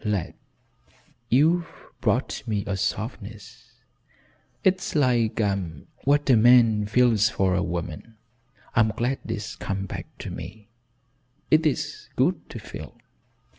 Lad, you've brought me a softness, it's like what a man feels for a woman. I'm glad it's come back to me. It is good to feel.